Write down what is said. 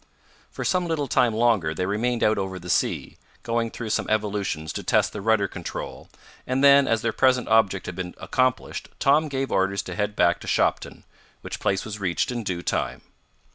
For some little time longer they remained out over the sea, going through some evolutions to test the rudder control, and then as their present object had been accomplished Tom gave orders to head back to Shopton, which place was reached in due time.